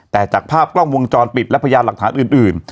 แต่จากภาพกล้องวงจรปิดและพยานหลักฐานอื่น